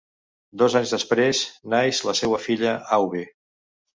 Dos anys després naix la seua filla Aube.